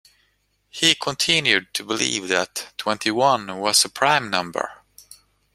He continued to believe that twenty-one was a prime number